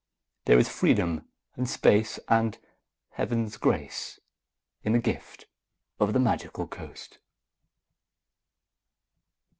There is freedom and space and Heaven's grace In the gift of the Magical Coast.